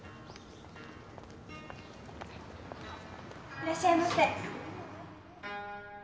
いらっしゃいませ。